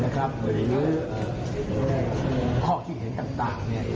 น้ำเข้าหัวเรือน้ำเข้าข้างเรือ